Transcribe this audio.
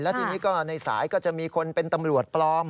ทีนี้ก็ในสายก็จะมีคนเป็นตำรวจปลอม